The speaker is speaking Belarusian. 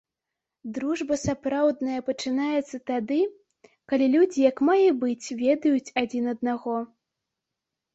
Дружба сапраўдная пачынаецца тады, калі людзі як мае быць ведаюць адзін аднаго.